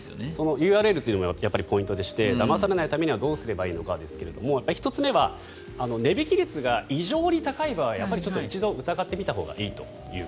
ＵＲＬというのもポイントでしてだまされないためにはどうすればいいのかですが１つ目は値引き率が異常に高い場合は一度疑ってみたほうがいいと。